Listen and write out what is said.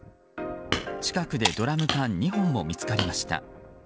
近くでドラム缶２本も見つかりました。